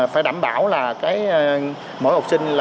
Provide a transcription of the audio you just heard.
phải đảm bảo là mỗi học sinh